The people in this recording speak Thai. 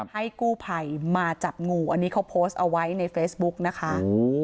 ให้กู้ภัยมาจับงูอันนี้เขาโพสต์เอาไว้ในเฟซบุ๊กนะคะ